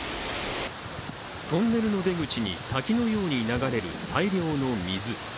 トンネルの出口に滝のように流れる大量の水。